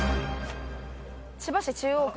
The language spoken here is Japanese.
千葉市中央区。